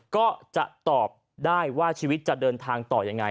ก็จะตอบได้ว่าชีวิตจะเดินทางต่อยังไง